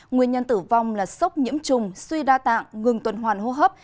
nguyên nhân tử vong là sốc nhiễm trùng suy đa tạng ngừng tuần hoàn hô hấp